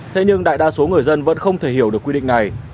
thế nhưng đại đa số người dân vẫn không thể hiểu được quy định này